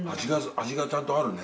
味がちゃんとあるね。